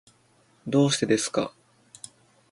どうしてですか。